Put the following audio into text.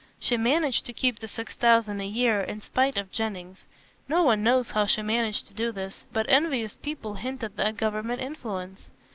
She managed to keep the six thousand a year, in spite of Jennings. No one knows how she managed to do this, but envious people hinted at Government influence.